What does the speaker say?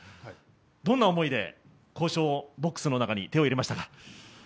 どんな思いで交渉ボックスの中に手を入れましたか？